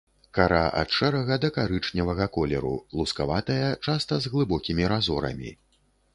Кара ад шэрага да карычневага колеру, лускаватая, часта з глыбокімі разорамі.